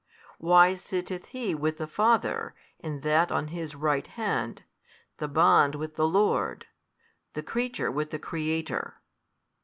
why sitteth He with the Father, and that on His Right Hand, the bond with the Lord, the creature with the Creator?